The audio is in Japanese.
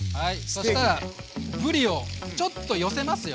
そしたらぶりをちょっと寄せますよ。